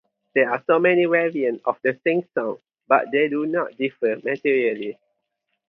There are many variants of the same song, but they do not differ materially.